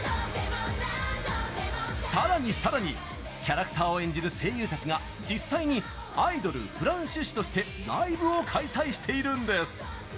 さらに、さらにキャラクターを演じる声優たちが実際にアイドル「フランシュシュ」としてライブを開催しているんです！